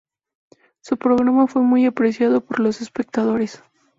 Su programa fue muy apreciado por los espectadores.